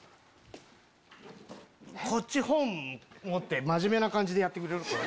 こっち本持って真面目な感じでやってくれる？